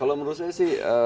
kalau menurut saya sih